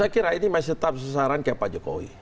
saya kira ini masih tetap sesaran kayak pak jokowi